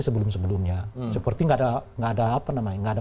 sebelum sebelumnya seperti tidak ada